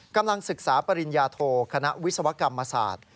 กำลังศึกษาปริญญาโทคณะวิศวกรรมศาสตร์